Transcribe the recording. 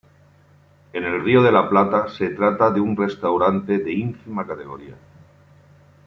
En el Río de la Plata se trata de un restaurante de ínfima categoría.